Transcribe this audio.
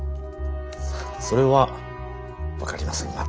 そっそれは分かりませんが。